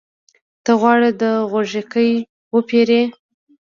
ته غواړې د غوږيکې وپېرې؟